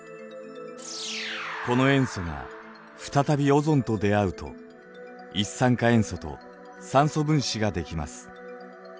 この塩素が再びオゾンと出会うと一酸化塩素と酸素分子が出来ます。